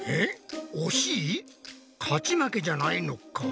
勝ち負けじゃないのか？